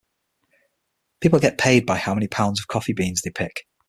People get paid by how many pounds of coffee beans they pick.